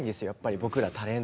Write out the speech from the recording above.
僕らタレントも。